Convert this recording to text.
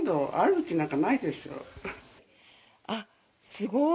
すごい。